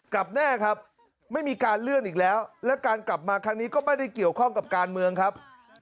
กลับแน่ครับไม่มีการเลื่อนอีกแล้วและการกลับมาครั้งนี้ก็ไม่ได้เกี่ยวข้องกับการเมืองครับ